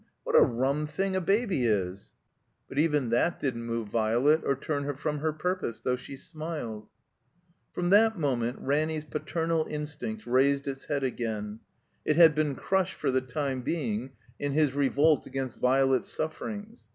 What a rum thing a baby is!" But even that didn't move Violet, or turn her from her purpose, though she smiled. Prom that moment Ranny's paternal instinct raised its head again. It had been crushed for the time being in his revolt against Violet's sufferings.